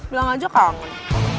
belom aja kangen